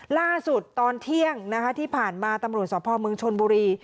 ล่าสุดตอนเที่ยงที่ผ่านมาตำรวจสวทธิ์ภาคเมืองชนบุรี